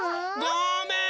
ごめん！